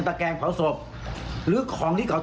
แกงเผาศพหรือของที่เขา